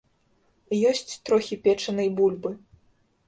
Ёсць трохі печанай бульбы.